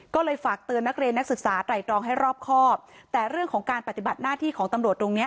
ก็เลยฝากเตือนนักเรียนนักศึกษาไตรตรองให้รอบครอบแต่เรื่องของการปฏิบัติหน้าที่ของตำรวจตรงเนี้ย